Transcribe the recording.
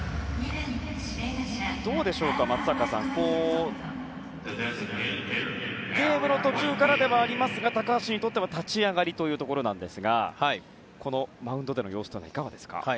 どうでしょう、松坂さんゲームの途中からではありますが高橋にとっては立ち上がりというところですがこのマウンドでの様子はいかがですか？